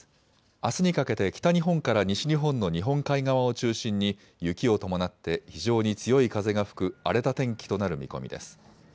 あすにかけて北日本から西日本の日本海側を中心に雪を伴って非常に強い風が吹く荒れた天気となる見込みです。